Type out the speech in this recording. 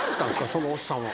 そのおっさんは。